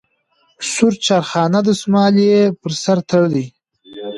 سور چارخانه دستمال یې په سر تړلی وي.